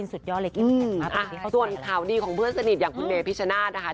ส่วนข่าวดีของเพื่อนสนิทอย่างคุณเมพิชนาธิ์นะคะ